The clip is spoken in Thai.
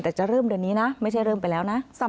แต่จะเริ่มเดือนนี้นะไม่ใช่เริ่มไปแล้วนะ